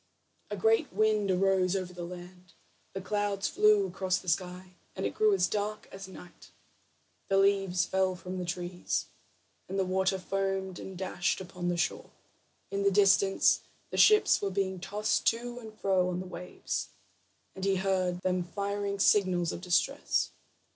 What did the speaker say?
A great wind arose over the land, the clouds flew across the sky, and it grew as dark as night; the leaves fell from the trees, and the water foamed and dashed upon the shore. In the distance the ships were being tossed to and fro on the waves, and he heard them firing signals of distress.